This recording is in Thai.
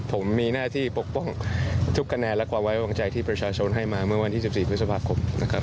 ผมมีหน้าที่ปกป้องทุกคะแนนและความไว้วางใจที่ประชาชนให้มาเมื่อวันที่๑๔พฤษภาคมนะครับ